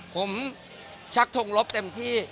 ผมชักทงลบเต็มที่